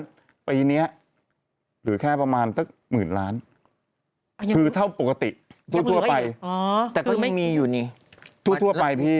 โฮภัดในการเที่ยวการเล่นนี่นะในทั่วประเทศนี่